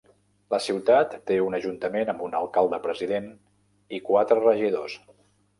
La ciutat té un ajuntament amb un alcalde-president i quatre regidors.